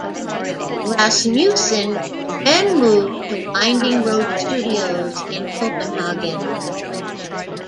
Rasmussen then moved to Winding Road Studios in Copenhagen.